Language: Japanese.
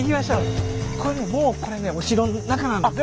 これもうこれねお城の中なんですよ。